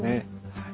はい。